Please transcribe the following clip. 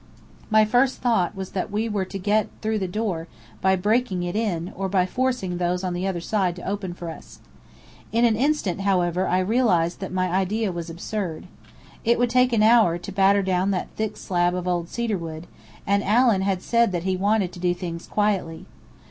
My first thought was that we were to get through the door, by breaking it in, or by forcing those on the other side to open for us. In an instant, however, I realized that my idea was absurd. It would take an hour to batter down that thick slab of old cedarwood, and Allen had said that he wanted to do things quietly.